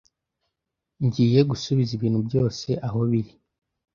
Ngiye gusubiza ibintu byose aho biri.